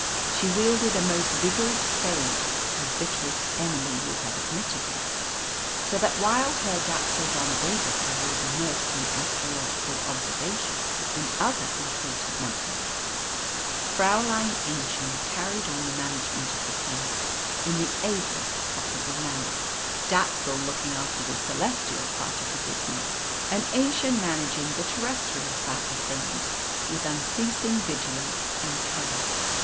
She wielded a most vigorous spade her bitterest enemy would have admitted this. So that while Herr Dapsul von Zabelthau was immersed in astrological observations and other important matters, Fräulein Aennchen carried on the management of the place in the ablest possible manner, Dapsul looking after the celestial part of the business, and Aennchen managing the terrestrial side of things with unceasing vigilance and care.